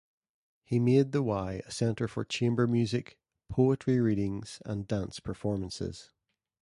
He made the "Y" a center for chamber music, poetry readings, and dance performances.